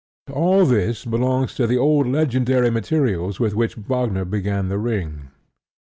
All this belongs to the old legendary materials with which Wagner began The Ring.